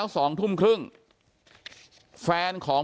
อยู่ดีมาตายแบบเปลือยคาห้องน้ำได้ยังไง